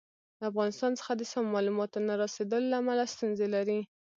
د افغانستان څخه د سمو معلوماتو نه رسېدلو له امله ستونزې لري.